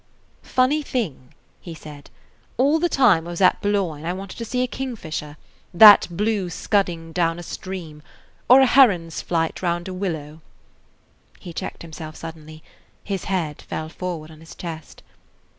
"Funny thing," he said. "All the time I was at Boulogne I wanted to see a kingfisher, that blue scudding down a stream, or a heron's flight round a willow–" He checked himself suddenly; his head fell forward on his chest.